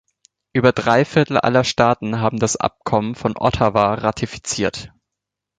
Über drei Viertel aller Staaten haben das Abkommen von Ottawa ratifiziert.